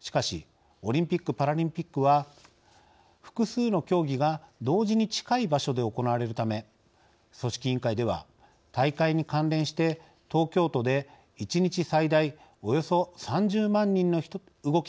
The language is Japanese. しかしオリンピック・パラリンピックは複数の競技が同時に近い場所で行われるため組織委員会では大会に関連して東京都で１日最大およそ３０万人の動きがあるとしています。